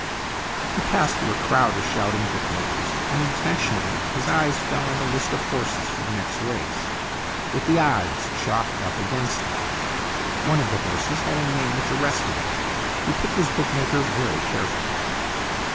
He passed through a crowd of shouting book makers, and unintentionally his eye fell on the list of horses for the next race, with the odds chalked 124 STORIES IN GREY up against them. One of the horses had a name which arrested him. He picked his bookmaker very carefully.